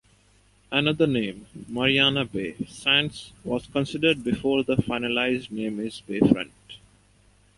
Another name, Marina Bay Sands was considered before the finalized name is Bayfront.